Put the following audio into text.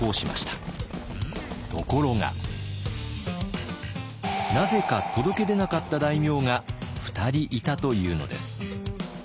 ところがなぜか届け出なかった大名が２人いたというのです。